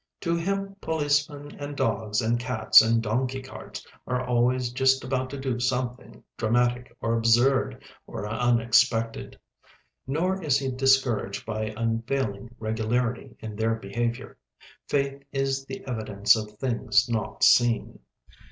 To him policemen and dogs and cats and donkey carts are always just about to do something dramatic or absurd or unexpected. Nor is he discouraged by unfailing regularity in their behaviour. Faith is "the evidence of things not seen."